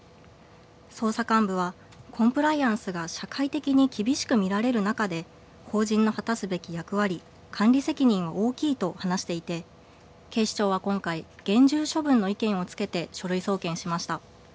捜査幹部はコンプライアンスが社会的に厳しく見られる中で法人の果たすべき役割・管理責任は大きいと話していて警視庁は今回、厳重処分の意見を付けて書類送検しました。